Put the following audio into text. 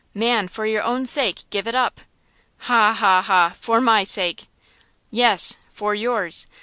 "Man, for your own sake give it up!" "Ha, ha, ha! for my sake!" "Yes, for yours!